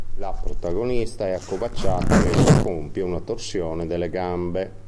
La protagonista è accovacciata mentre compie una torsione delle gambe.